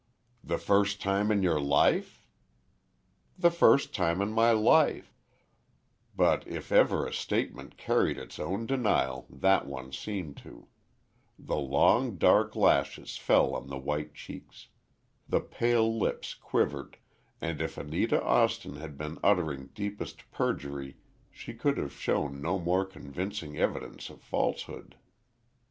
"The first time in your life?" "The first time in my life," but if ever a statement carried its own denial that one seemed to. The long dark lashes fell on the white cheeks. The pale lips quivered, and if Anita Austin had been uttering deepest perjury she could have shown no more convincing evidence of falsehood.